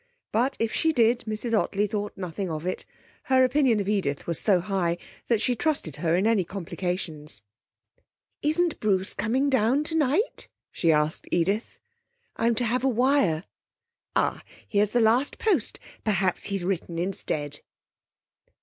But, if she did, Mrs Ottley thought nothing of it. Her opinion of Edith was so high that she trusted her in any complications.... 'Isn't Bruce coming down tonight?' she asked Edith. 'I'm to have a wire.' 'Ah, here's the last post. Perhaps he's written instead.'